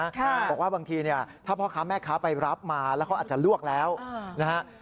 บอกว่าบางทีเนี่ยถ้าพ่อค้าแม่ค้าไปรับมาแล้วเขาอาจจะลวกแล้วนะฮะ